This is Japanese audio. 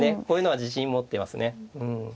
こういうのは自信を持っていますね。